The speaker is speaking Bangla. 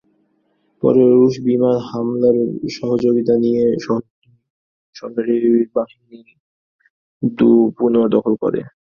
পরে রুশ বিমান হামলার সহযোগিতা নিয়ে শহরটি সরকারি বাহিনী পুনর্দখল করে।